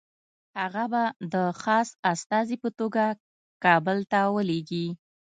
هغه به د خاص استازي په توګه کابل ته ولېږي.